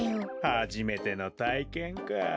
はじめてのたいけんかあ。